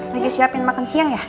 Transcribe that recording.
lagi siapin makan siang ya